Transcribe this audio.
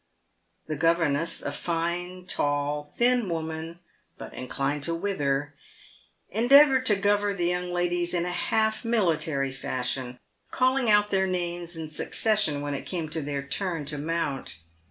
The governess — a fine, tall, thin woman, but inclined to wither —■ endeavoured to govern the young ladies in a half military fashion, calling out their names in succession when it came to their turn to mount.